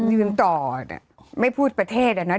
ยืนต่อเนี่ยไม่พูดประเทศอะเนาะ